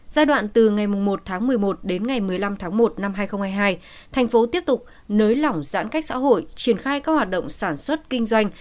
giai đoạn từ ngày một tháng một mươi một đến ngày một mươi năm tháng một năm hai nghìn hai mươi hai thành phố tiếp tục nới lỏng giãn cách xã hội triển khai các hoạt động sản xuất kinh doanh